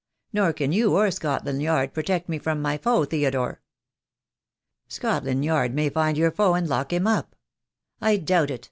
Nor can you or Scotland Yard protect me from my foe, Theodore." "Scotland Yard may find your foe and lock him up." "I doubt it.